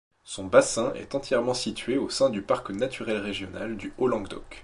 Son bassin est entièrement situé au sein du parc naturel régional du Haut-Languedoc.